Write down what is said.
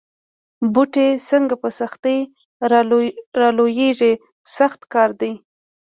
بوټی څنګه په سختۍ را لویېږي سخت کار دی.